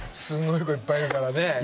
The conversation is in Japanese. すごい子いっぱいいるからね。